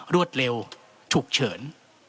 รวดเร็วฉุกเฉิน